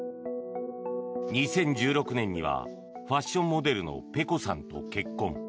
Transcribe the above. ２０１６年にはファッションモデルのｐｅｃｏさんと結婚。